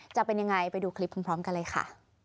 จะเป็นยังไงไปดูคลิปพร้อมกันเลยค่ะ